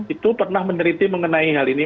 itu pernah meneliti mengenai hal ini